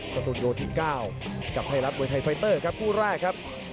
ศัตรูโยที่๙กลับให้รับเมื่อไทยไฟเตอร์ครับคู่แรกครับ